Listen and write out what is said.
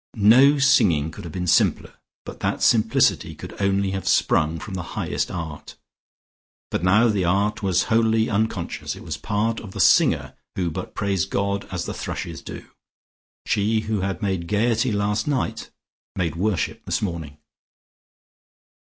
No singing could have been simpler, but that simplicity could only have sprung from the highest art. But now the art was wholly unconscious; it was part of the singer who but praised God as the thrushes do. She who had made gaiety last night, made worship this morning.